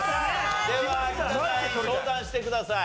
では有田ナイン相談してください。